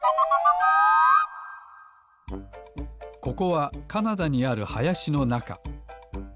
ここはカナダにあるはやしのなか。